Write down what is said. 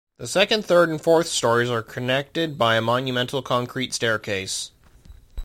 The second, third, and fourth stories are connected by a monumental concrete staircase.